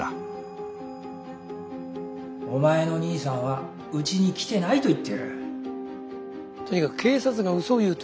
お前の兄さんはうちに来てないと言ってる。